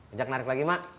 ajak narik lagi ma